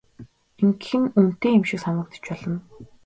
Ингэх нь үнэтэй юм шиг санагдаж болно.